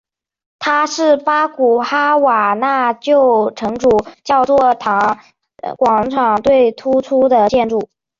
它是古巴哈瓦那旧城主教座堂广场最突出的建筑。